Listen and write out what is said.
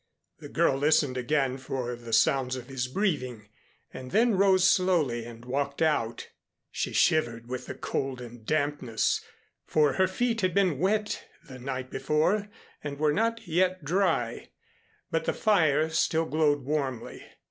The girl listened again for the sounds of his breathing, and then rose slowly and walked out. She shivered with the cold and dampness, for her feet had been wet the night before and were not yet dry, but the fire still glowed warmly.